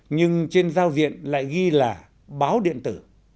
nhưng trên giao diện lại ghi là báo điện tử